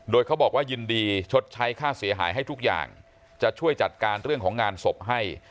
โดยเขาบอกว่ายินดีชดใช้ค่าเสียหายให้ทุกอย่างจะช่วยจัดการเรื่องของงานศพให้